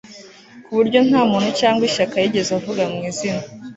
ku buryo nta muntu cyangwa ishyaka yigeze avuga mu izina